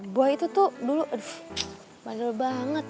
boy itu tuh dulu aduh bandel banget